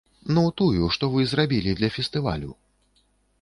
Ну, тую, што вы зрабілі для фестывалю?